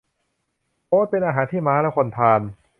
โอ๊ตเป็นอาหารที่ม้าและคนทาน